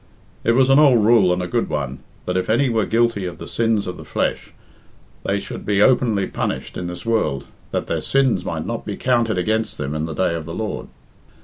It was an old rule and a good one that, if any were guilty of the sins of the flesh, they should be openly punished in this world, that their sins might not be counted against them in the day of the Lord.